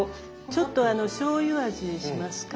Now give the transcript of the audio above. ちょっとあのしょうゆ味しますか？